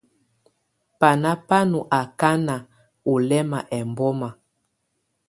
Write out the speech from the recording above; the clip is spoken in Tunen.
Bana bà nɔ̀ akana ɔ̀ lɛma ɛmbɔma.